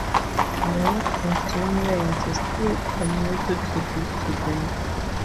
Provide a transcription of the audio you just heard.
Many constituents still commute to these today.